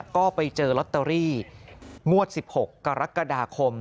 ก็ไปเจอลอตเตอรี่งวด๑๖กรกฎาคม